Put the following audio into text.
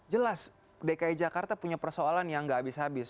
jelas dki jakarta punya persoalan yang gak habis habis